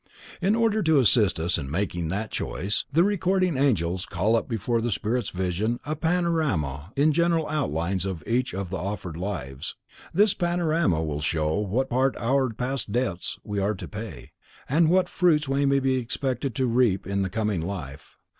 In order to assist us in making that choice the Recording Angels call up before the spirit's vision a panorama in general outlines of each of the offered lives. This panorama will show what part of our past debts we are to pay, and what fruits we may be expected to reap in the coming life.